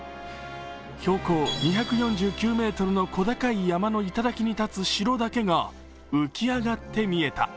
標高２４９ｍの小高い山の頂に立つ城だけが浮き上がって見えた。